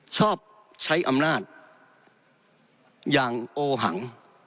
ชอบใช้อำนาจอย่างโอหัง